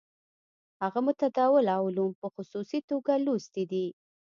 هغه متداوله علوم په خصوصي توګه لوستي دي.